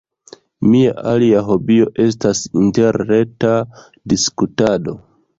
Mia alia hobio estas interreta diskutado.